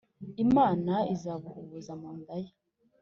imana izabuhubuza mu nda ye